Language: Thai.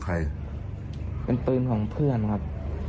ใช่ครับ